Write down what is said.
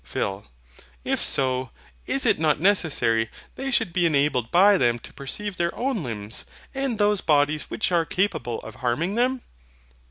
PHIL. If so, is it not necessary they should be enabled by them to perceive their own limbs, and those bodies which are capable of harming them?